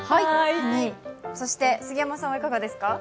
そして杉山さんはいかがですか？